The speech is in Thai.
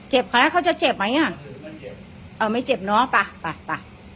เจ็บค่ะเขาจะเจ็บไหมอ่ะเออไม่เจ็บเนอะป่ะป่ะป่ะ